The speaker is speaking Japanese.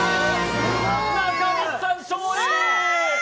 中西さん勝利！